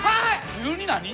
急に何？